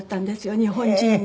日本人に。